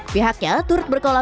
pihaknya turut berkomunikasi